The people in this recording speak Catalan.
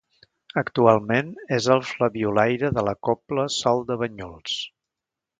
Actualment és el flabiolaire de la cobla Sol de Banyuls.